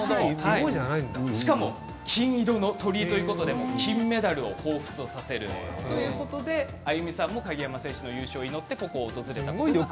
しかも金色の鳥居ということで金メダルをほうふつさせるということで亜由美さんも鍵山さんの優勝を祈ってここに訪れたということです。